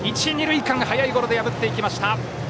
速いゴロで破っていきました。